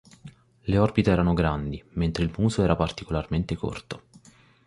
Le orbite erano grandi, mentre il muso era particolarmente corto.